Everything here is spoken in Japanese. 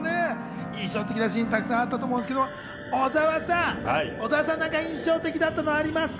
印象的なシーン、たくさんあったと思うんですが、小澤さん、印象的だったものはありますか？